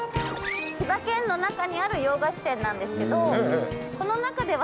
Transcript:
千葉県の中にある洋菓子店なんですけど。